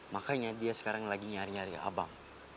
makanya dia sekarang lagi nyari nyari abang